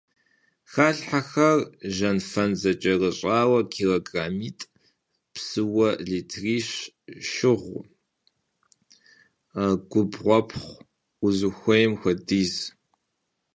Халъхьэхэр: жьэнфэн зэкӀэрыщӀауэ килограммитӏ, псыуэ литрищ, шыгъуу, губгъуэпхъыу — узыхуейм хуэдиз.